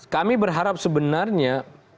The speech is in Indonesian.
kami berharap sebenarnya